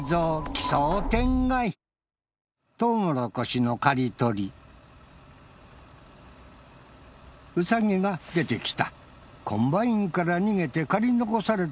奇想天外トウモロコシの刈り取りウサギが出てきたコンバインから逃げて刈り残された